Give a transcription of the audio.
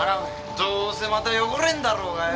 どーせまた汚れんだろうがよ！